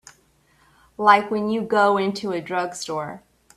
Like when you go into a drugstore.